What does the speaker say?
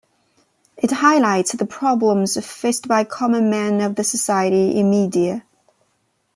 It highlights the problems faced by common man of the society in media.